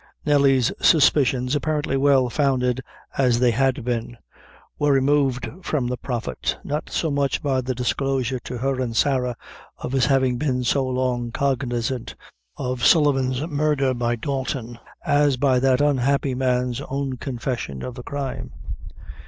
Nelly's suspicions, apparently well founded as they had been, were removed from the Prophet, not so much by the disclosure to her and Sarah, of his having been so long cognizant of Sullivan's murder by Dalton, as by that unhappy man's own confession of the crime.